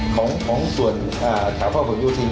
ของส่วนข่าวผ้าผลโยธิน